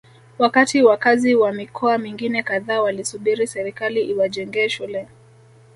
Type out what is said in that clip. wakati wakazi wa mikoa mingine kadhaa walisubiri serikali iwajengee shule